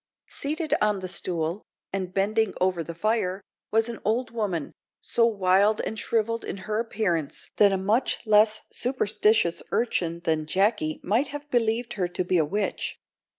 Seated on the stool, and bending over the fire, was an old woman, so wild and shrivelled in her appearance that a much less superstitious urchin than Jacky might have believed her to be a witch.